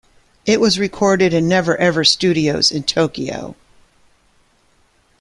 It was recorded in Never Ever Studios in Tokyo.